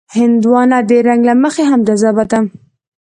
هندوانه د رنګ له مخې هم جذابه ده.